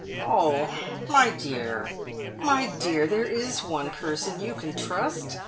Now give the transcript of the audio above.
"Oh, my dear, my dear, there is one person you can trust!